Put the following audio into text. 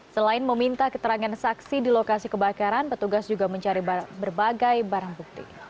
selain meminta keterangan saksi di lokasi kebakaran petugas juga mencari berbagai barang bukti